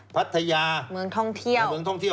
พัทยาเมืองท่องเที่ยว